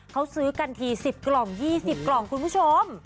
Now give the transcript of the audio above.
เขาซื้อกันที๑๐กล่อง๒๐กล่องคุณผู้ชม